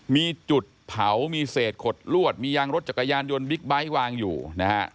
มีจุดเผามีเศษขดลวดมียางรถจักรยานยนต์บิ๊กไบท์วางอยู่นะฮะ